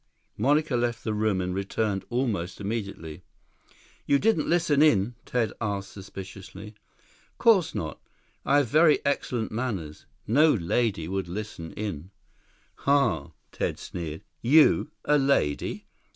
12 Monica left the room and returned almost immediately. "You didn't listen in?" Ted asked suspiciously. "Course not! I have very excellent manners. No lady would listen in." "Ha," Ted sneered. "You, a lady?